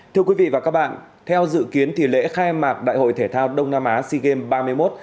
thưa quý vị và các bạn theo dự kiến thì lễ khai mạc đại hội thể thao đông nam á sea games ba mươi một